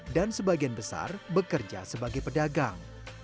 dan sebagian besar bekerja sebagai pedagang